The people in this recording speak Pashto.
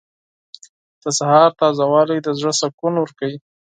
• د سهار تازه والی د زړه سکون ورکوي.